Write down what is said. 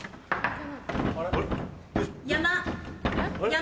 山！